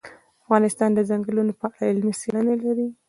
افغانستان د ځنګلونه په اړه علمي څېړنې لري.